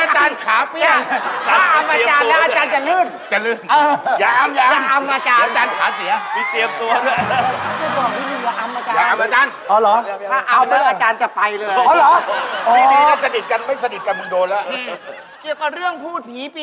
มันมีอะไรอาจารย์บอกเขาไปเลย